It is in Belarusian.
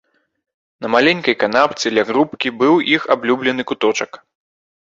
На маленькай канапцы ля грубкі быў іх аблюбёны куточак.